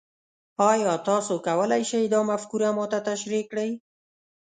ایا تاسو کولی شئ دا مفکوره ما ته تشریح کړئ؟